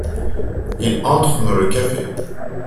Il entre dans le café.